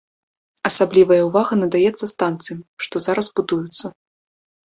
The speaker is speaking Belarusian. Асаблівая увага надаецца станцыям, што зараз будуюцца.